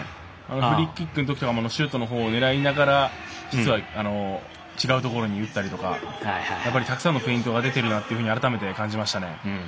フリーキックのときとかシュートのほうを狙いながら実は違うところに打ったりとかたくさんのフェイントが出ているなと改めて感じましたね。